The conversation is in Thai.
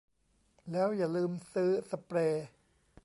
แล้วอย่าลืมซื้อสเปรย์